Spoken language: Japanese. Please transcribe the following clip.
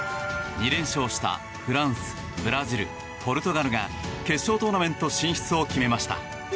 ２連勝したフランスブラジル、ポルトガルが決勝トーナメント進出を決めました。